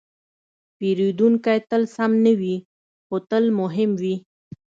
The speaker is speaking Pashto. پیرودونکی تل سم نه وي، خو تل مهم وي.